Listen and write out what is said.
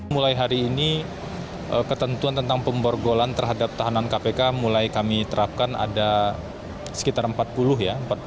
mulai hari ini ketentuan tentang pemborgolan terhadap tahanan kpk mulai kami terapkan ada sekitar empat puluh ya